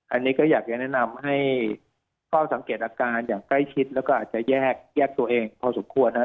อันนี้ก็อยากจะแนะนำให้เฝ้าสังเกตอาการอย่างใกล้ชิดแล้วก็อาจจะแยกตัวเองพอสมควรนะครับ